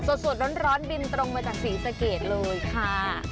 สดร้อนบินตรงมาจากศรีสะเกดเลยค่ะ